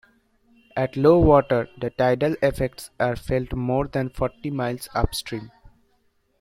At low water the tidal effects are felt more than forty miles upstream.